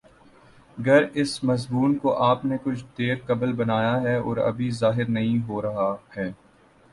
گر اس مضمون کو آپ نے کچھ دیر قبل بنایا ہے اور ابھی ظاہر نہیں ہو رہا ہے